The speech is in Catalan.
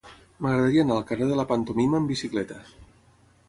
M'agradaria anar al carrer de la Pantomima amb bicicleta.